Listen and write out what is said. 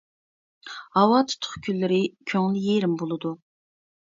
ھاۋا تۇتۇق كۈنلىرى كۆڭلى يېرىم بولىدۇ.